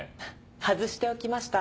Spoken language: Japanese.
外しておきました。